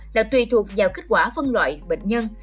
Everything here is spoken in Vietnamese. là tùy thuộc vào kết quả phân loại bệnh nhân